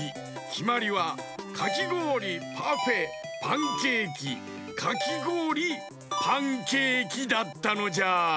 きまりはかきごおりパフェパンケーキかきごおりパンケーキだったのじゃ。